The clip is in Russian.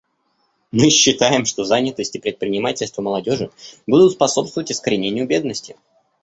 Мы считаем, что занятость и предпринимательство молодежи будут способствовать искоренению бедности.